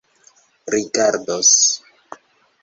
rigardos